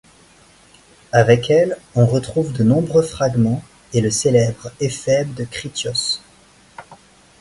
Avec elle on retrouve de nombreux fragments et le célèbre Éphèbe de Critios.